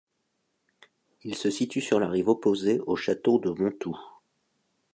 Il se situe sur la rive opposée au château de Monthoux.